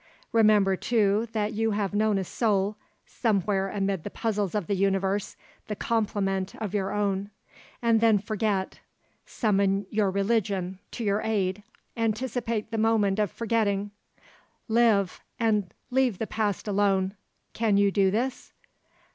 Remember too that you have known a soul, somewhere amid the puzzles of the universe, the complement of your own; and then forget. Summon your religion to your aid; anticipate the moment of forgetting; live, and leave the past alone. Can you do this?"